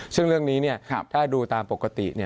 ซึ่งเรื่องนี้ถ้าดูตามปกติ